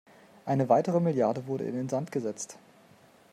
Eine weitere Milliarde wurde in den Sand gesetzt.